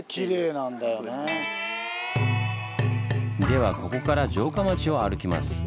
ではここから城下町を歩きます。